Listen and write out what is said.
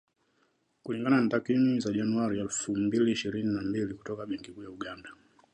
Kulingana na takwimu za Januari elfu mbili ishirini na mbili kutoka Benki Kuu ya Uganda